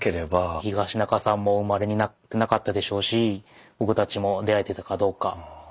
東仲さんもお生まれになってなかったでしょうし僕たちも出会えてたかどうか。